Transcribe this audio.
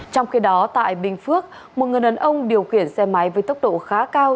trong khi đó tại bình phước một người đàn ông điều khiển xe máy với tốc độ khá cao